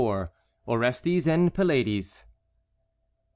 ORESTES AND PYLADES.